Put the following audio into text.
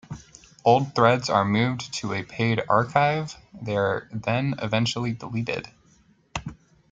Old threads are moved to a paid archive; they are then eventually deleted.